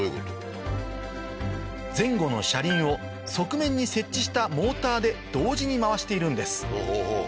前後の車輪を側面に設置したモーターで同時に回しているんです